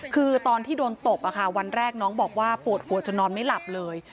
คือตอนที่โดนตบวันแรกน้องบอกว่าปวดหัวจนนอนไม่หลับเลย